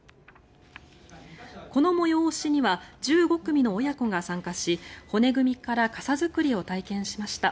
この催しには１５組の親子が参加し骨組みから傘作りを体験しました。